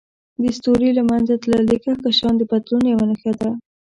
د ستوري له منځه تلل د کهکشان د بدلون یوه نښه ده.